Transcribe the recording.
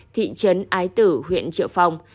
thị trấn ái tử huyện triệu phong